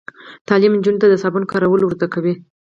تعلیم نجونو ته د صابون کارول ور زده کوي.